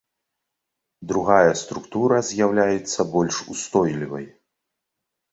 Другая структура з'яўляецца больш устойлівай.